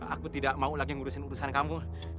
aku tidak mau lagi ngurusin urusan kamu